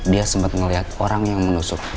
dia sempat melihat orang yang menusuk